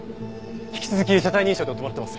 引き続き車体認証で追ってもらってます。